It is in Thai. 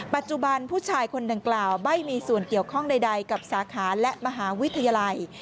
ปัจจุบันผู้ชายคนดังกล่าวไม่มีส่วนเกี่ยวข้องใดกับสาขาและมหาวิทยาลัย